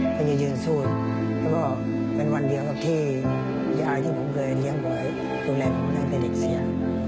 ก็จะยืนสู้แล้วก็เป็นวันเดียวกับที่ยายที่ผมเคยเลี้ยงไว้ดูแลผมตั้งแต่เด็กเสีย